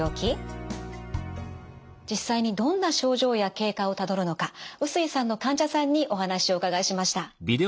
実際にどんな症状や経過をたどるのか臼井さんの患者さんにお話をお伺いしました。